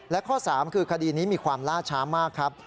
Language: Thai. และข้อ๓คือคดีนี้มีความล่าช้ามากครับ